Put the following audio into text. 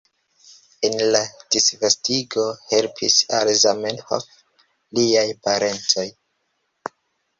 En la disvastigo helpis al Zamenhof liaj parencoj.